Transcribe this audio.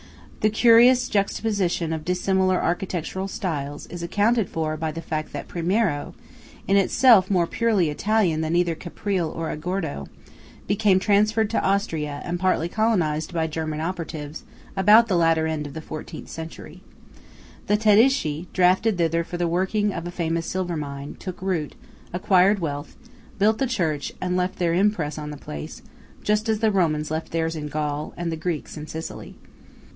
This curious juxtaposition of dissimilar architectural styles is accounted for by the fact that Primiero, in itself more purely Italian than either Caprile or Agordo, became transferred to Austria and partly colonized by German operatives about the latter end of the 14th Century. The Tedeschi, drafted thither for the working of a famous silver mine, took root, acquired wealth, built the church, and left their impress on the place, just as the Romans left theirs in Gaul, and the Greeks in Sicily.